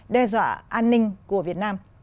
đe dọa an ninh của việt nam